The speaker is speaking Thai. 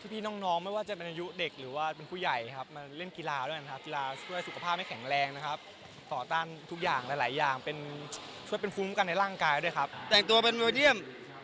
ผมเชียร์สเปนผมแต่งสเปนมาครับผม